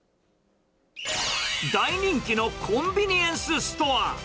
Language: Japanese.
大人気のコンビニエンスストア。